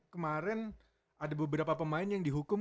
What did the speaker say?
kemarin ada beberapa pemain yang dihukum